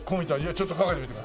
ちょっとかけてみてください。